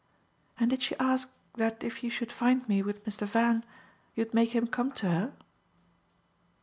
"And did she ask that if you should find me with Mr. Van you'd make him come to her?"